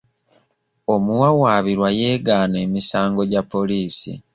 Omuwawaabirwa yeegaana emisango gya poliisi.